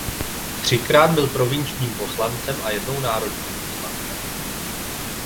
Třikrát byl provinčním poslancem a jednou národním poslancem.